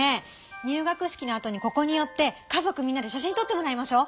入学式のあとにここに寄って家族みんなで写真とってもらいましょう。